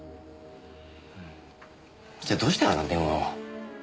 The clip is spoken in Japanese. じゃあどうしてあんな電話を？